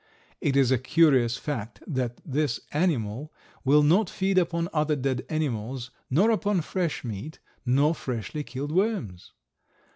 It is a curious fact that this animal will not feed upon other dead animals nor upon fresh meat, nor freshly killed worms.